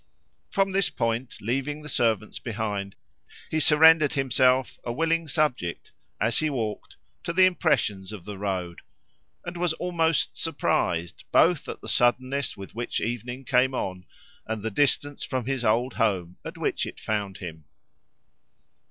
From this point, leaving the servants behind, he surrendered himself, a willing subject, as he walked, to the impressions of the road, and was almost surprised, both at the suddenness with which evening came on, and the distance from his old home at which it found him.